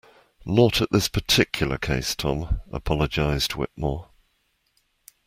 Not at this particular case, Tom, apologized Whittemore.